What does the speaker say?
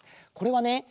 これはね